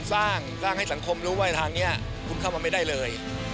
สร้างสร้างให้สังคมรู้ว่าทางนี้คุณเข้ามาไม่ได้เลย